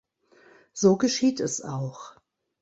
So geschieht es auch.